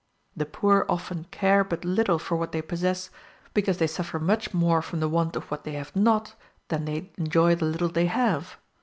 The poor often care but little for what they possess, because they suffer much more from the want of what they have not, than they enjoy the little they have.